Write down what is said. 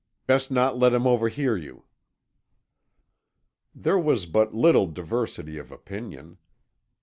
Best not let him overhear you." There was but little diversity of opinion.